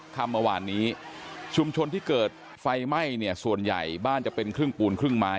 คำเมื่อวานนี้ชุมชนที่เกิดไฟไหม้เนี่ยส่วนใหญ่บ้านจะเป็นครึ่งปูนครึ่งไม้